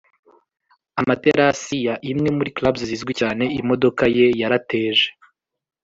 amaterasi ya imwe muri clubs zizwi cyane. imodoka ye yarateje